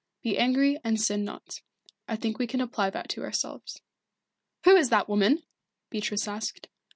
'Be angry and sin not.' I think we can apply that to ourselves." "Who is that woman?" Beatrice asked.